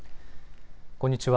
こんにちは。